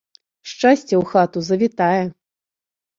Шчасце ў хату завітае!